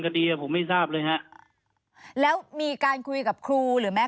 คดีอ่ะผมไม่ทราบเลยฮะแล้วมีการคุยกับครูหรือแม้